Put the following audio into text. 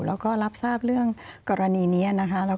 แล้วก็รับทราบเรื่องกรณีนี้นะคะ